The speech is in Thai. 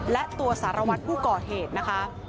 และตัวสารวัตรผู้ก่อเหตุนะคะ